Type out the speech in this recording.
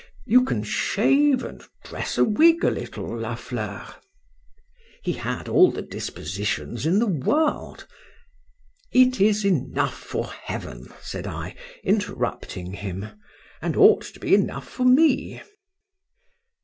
You can shave, and dress a wig a little, La Fleur?—He had all the dispositions in the world.—It is enough for heaven! said I, interrupting him,—and ought to be enough for me.